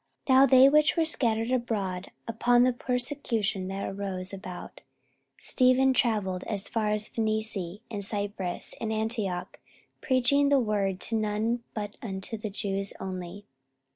44:011:019 Now they which were scattered abroad upon the persecution that arose about Stephen travelled as far as Phenice, and Cyprus, and Antioch, preaching the word to none but unto the Jews only.